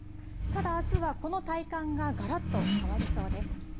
ただあすは、この体感ががらっと変わりそうです。